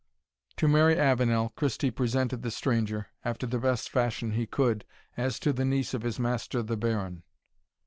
To Mary Avenel, Christie presented the stranger, after the best fashion he could, as to the niece of his master the baron.